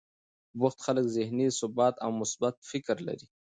بوخت خلک ذهني ثبات او مثبت فکر لري.